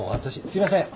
すいません。